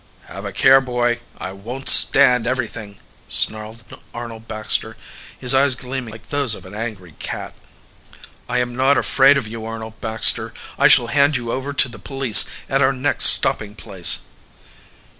"Have a care, boy I won't stand everything!" snarled Arnold Baxter, his eyes gleaning like those of an angry cat. "I am not afraid of you, Arnold Baxter. I shall hand you over to the police at our next stopping place!"